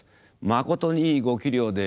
まことにいいご器量で。